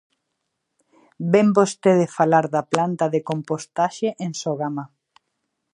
Vén vostede falar da planta de compostaxe en Sogama.